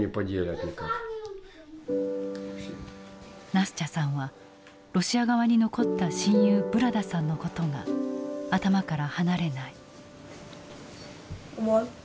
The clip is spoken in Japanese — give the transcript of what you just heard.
・ナスチャさんはロシア側に残った親友ブラダさんのことが頭から離れない。